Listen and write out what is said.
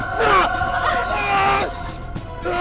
apakah we strive